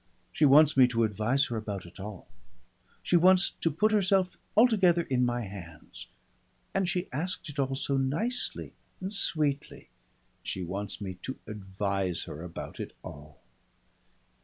She wants me to advise her about it all. She wants to put herself altogether in my hands. And she asked it all so nicely and sweetly. She wants me to advise her about it all."